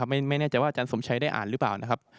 ไม่แน่ใจว่าอาจารย์สมชัยได้อ่านหรือเปล่านะครับ